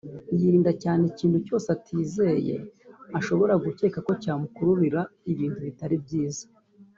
yirinda cyane ikintu cyose atizeye ashobora gucyeka ko cyamukururira ibintu bitari byiza